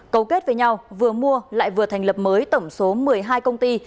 cấu kết với nhau vừa mua lại vừa thành lập mới tổng số một mươi hai công ty